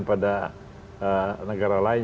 kepada negara lain